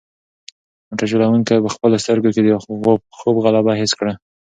موټر چلونکی په خپلو سترګو کې د خوب غلبه حس کړه.